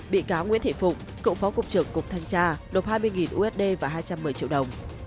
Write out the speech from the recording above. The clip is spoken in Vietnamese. bị cáo nguyễn thị phụng cựu phó cục trưởng cục thanh tra đột hai mươi usd và hai trăm một mươi triệu đồng